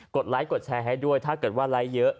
ไลค์กดแชร์ให้ด้วยถ้าเกิดว่าไลค์เยอะ